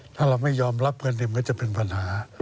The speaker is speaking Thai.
ถ้าเราไม่ยอมรับการเรียบกันก็จะเป็นปัญหา